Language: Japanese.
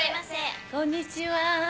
こんにちは。